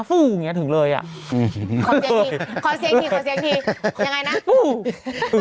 ขอเสียงที